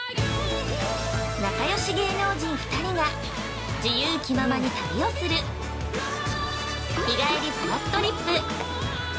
◆仲よし芸能人２人が自由気ままに旅をする「日帰りぷらっとりっぷ」。